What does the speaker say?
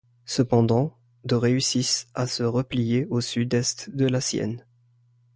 Cependant, de réussissent à se replier au sud est de la Sienne.